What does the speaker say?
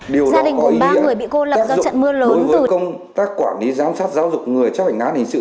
điều đó có ý nghĩa tác dụng đối với công tác quản lý giám sát giáo dục người chấp hành án hình sự